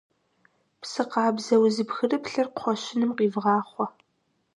Псы къабзэ, узыпхырыплъыр кхъуэщыным къивгъахъуэ.